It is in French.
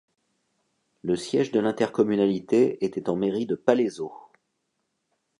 Le siège de l'intercommunalité était en mairie de Palaiseau.